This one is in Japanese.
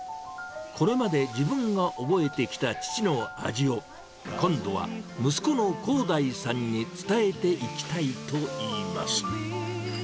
これまで自分が覚えてきた父の味を、今度は息子の広大さんに伝えていきたいといいます。